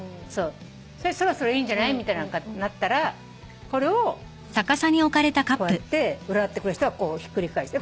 そろそろいいんじゃないみたいになったらこれをこうやって占ってくれる人がひっくり返す。